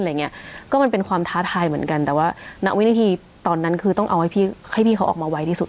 อย่างเงี้ยก็มันเป็นความท้าทายเหมือนกันแต่ว่าณวินาทีตอนนั้นคือต้องเอาให้พี่ให้พี่เขาออกมาไวที่สุด